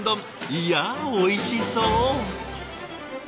いやおいしそう。